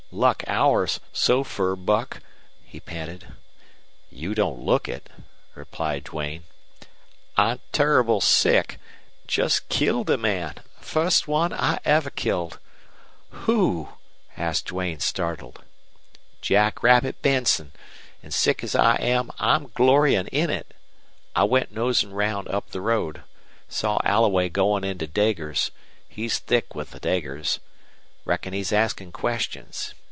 "Luck ours so fur, Buck!" he panted. "You don't look it," replied Duane. "I'm turrible sick. Jest killed a man. Fust one I ever killed!" "Who?" asked Duane, startled. "Jackrabbit Benson. An' sick as I am, I'm gloryin' in it. I went nosin' round up the road. Saw Alloway goin' into Deger's. He's thick with the Degers. Reckon he's askin' questions.